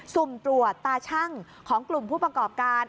สุ่มตรวจตาชั่งของกลุ่มผู้ประกอบการ